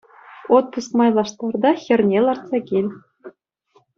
Отпуск майлаштар та хӗрне лартса кил.